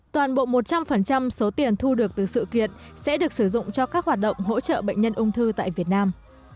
toàn bộ một trăm linh số tiền thu được từ sự kiện sẽ được sử dụng cho các hoạt động hỗ trợ bệnh nhân ung thư tại việt nam